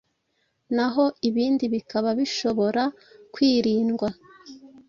naho ibindi bikaba bishobora kwirindwa.